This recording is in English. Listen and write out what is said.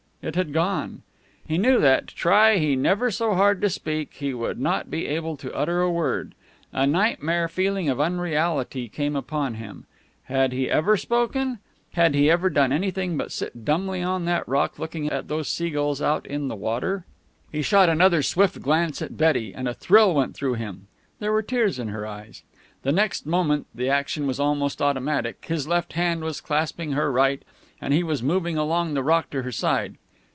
It had gone. He knew that, try he never so hard to speak, he would not be able to utter a word. A nightmare feeling of unreality came upon him. Had he ever spoken? Had he ever done anything but sit dumbly on that rock, looking at those sea gulls out in the water? He shot another swift glance at Betty, and a thrill went through him. There were tears in her eyes. The next moment the action was almost automatic his left hand was clasping her right, and he was moving along the rock to her side.